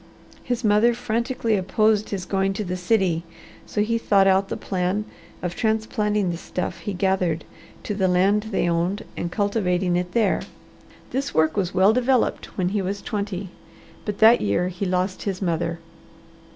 His mother frantically opposed his going to the city, so he thought out the plan of transplanting the stuff he gathered, to the land they owned and cultivating it there. This work was well developed when he was twenty, but that year he lost his mother.